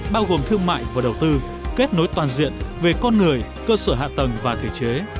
bao gồm thương mại và đầu tư kết nối toàn diện về con người cơ sở hạ tầng và thể chế